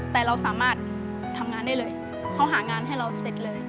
แต่เราสามารถทำงานได้เลยเขาหางานให้เราเสร็จเลย